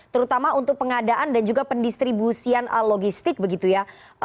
terutama untuk pengadaan dan juga pendistribusian logistik begitu ya